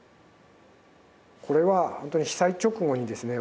これは本当に被災直後にですね